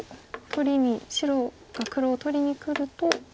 白が黒を取りにくると。